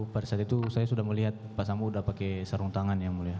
pada saat itu saya sudah melihat pak sambo sudah pakai sarung tangan yang mulia